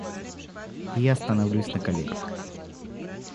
И я становлюсь на колени.